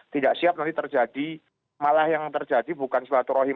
tidak siap nanti terjadi malah yang terjadi bukan silaturahim